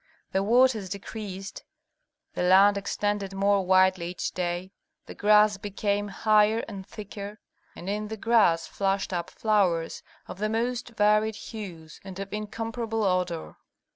The waters decreased, the land extended more widely each day, the grass became higher and thicker, and in the grass flashed up flowers of the most varied hues and of incomparable odor.